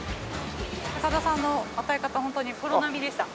高田さんの与え方ホントにプロ並みでした。